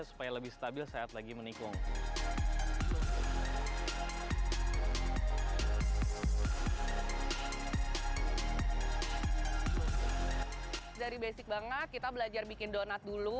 supaya lebih stabil sehat lagi menikung dari basic banget kita belajar bikin donat dulu